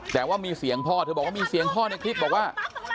แต่ว่ามีเสียงพ่อเธอบอกว่ามีเสียงพ่อในคลิปบอกว่า